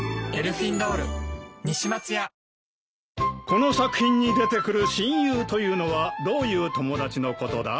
この作品に出てくる親友というのはどういう友達のことだ？